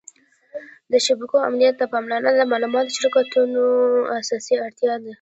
د شبکو امنیت ته پاملرنه د معلوماتي شرکتونو اساسي اړتیا ده.